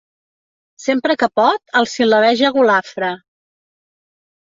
Sempre que pot els sil·labeja golafre.